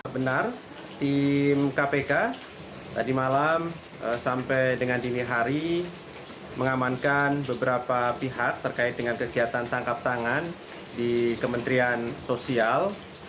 benar tim kpk tadi malam sampai dengan dini hari mengamankan beberapa pihak terkait dengan kegiatan tangkap tangan di kementerian sosial